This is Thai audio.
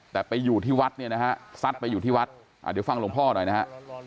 แต่ไปอยู่ที่วัดเนี่ยนะฮะซัดไปอยู่ที่วัดเดี๋ยวฟังหลวงพ่อหน่อยนะฮะ